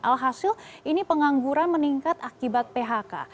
alhasil ini pengangguran meningkat akibat phk